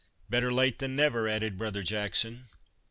" Better late than never," added brother Jackson.